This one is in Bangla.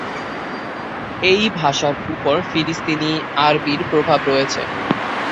এই ভাষার উপর ফিলিস্তিনি আরবির প্রভাব রয়েছে।